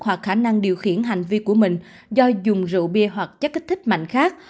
hoặc khả năng điều khiển hành vi của mình do dùng rượu bia hoặc chất kích thích mạnh khác